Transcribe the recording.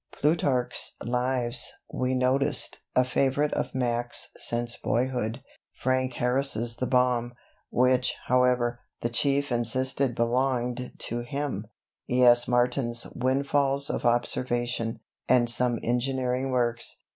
"Plutarch's Lives," we noticed a favourite of Mac's since boyhood; Frank Harris's "The Bomb" (which, however, the Chief insisted belonged to him), E.S. Martin's "Windfalls of Observation," and some engineering works.